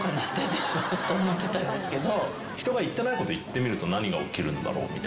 私思ってたんですけど。